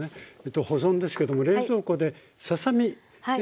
保存ですけども冷蔵庫でささ身本体は。